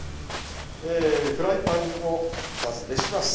えフライパンをまず熱します。